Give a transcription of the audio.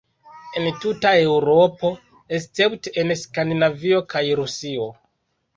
En tuta Eŭropo, escepte en Skandinavio kaj Rusio.